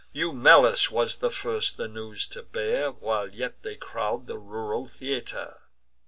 Eumelus was the first the news to bear, While yet they crowd the rural theatre.